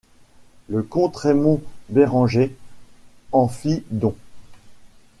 Le comte Raimond Bérenger en fit don.